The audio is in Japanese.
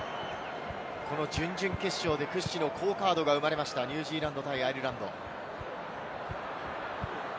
この準々決勝で屈指の好カードが生まれました、ニュージーランド対アイルランド。